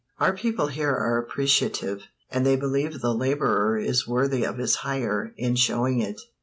"Our people here are appreciative, and they believe the laborer is worthy of his hire in showing it."